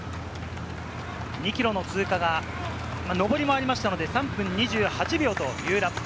２ｋｍの通過が上りもありましたので３分２８秒というラップ。